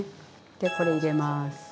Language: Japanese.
でこれ入れます。